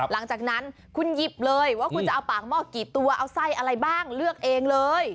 หลังจากนั้นคุณหยิบเลยว่าคุณจะเอาปากหม้อกี่ตัวเอาไส้อะไรบ้างเลือกเองเลย